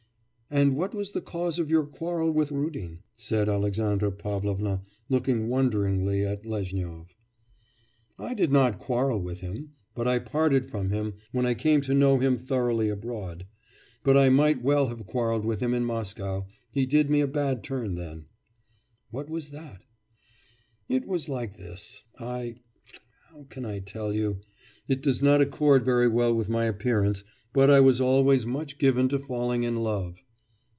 'And what was the cause of your quarrel with Rudin?' said Alexandra Pavlovna, looking wonderingly at Lezhnyov. 'I did not quarrel with him, but I parted from him when I came to know him thoroughly abroad. But I might well have quarrelled with him in Moscow, he did me a bad turn there.' 'What was that?' 'It was like this. I how can I tell you? it does not accord very well with my appearance, but I was always much given to falling in love.